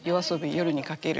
「夜に駆ける」